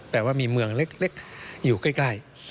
แต่ว่ามีเมืองเล็กอยู่ใกล้